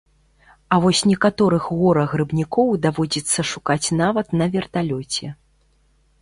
А вось некаторых гора-грыбнікоў даводзіцца шукаць нават на верталёце.